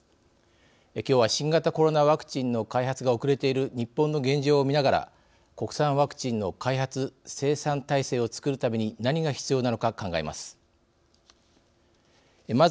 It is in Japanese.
きょうは新型コロナワクチンの開発が遅れている日本の現状を見ながら国産ワクチンの開発・生産体制を作るために何が必要なのか考えます。